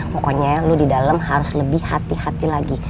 pokoknya lu di dalam harus lebih hati hati lagi